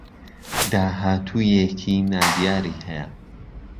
داهاتوویێکی نادیاری هەیە